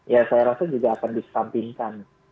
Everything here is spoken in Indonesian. ya saya rasa juga akan disampingkan